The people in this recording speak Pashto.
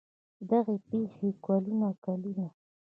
دغې پېښې کلونه کلونه